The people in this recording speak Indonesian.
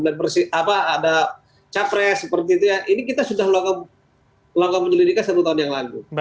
dan ada capres seperti itu ya ini kita sudah lakukan penyelidikan satu tahun yang lalu